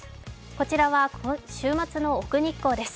こちらは週末の奥日光です。